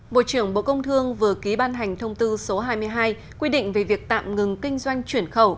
bộ trưởng bộ công thương vừa ký ban hành thông tư số hai mươi hai quy định về việc tạm ngừng kinh doanh chuyển khẩu